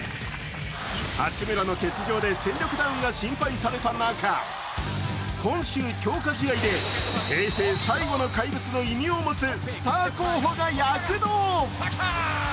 八村の欠場で戦力ダウンが心配された中、今週、強化試合で平成最後の怪物の異名を持つスター候補が躍動！